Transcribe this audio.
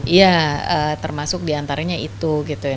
iya termasuk di antaranya itu gitu ya